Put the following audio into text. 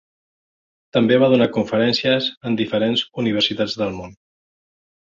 També va donar conferències en diferents universitats del món.